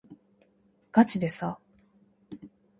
がちでさ